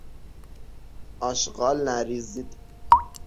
آشغال نریزید!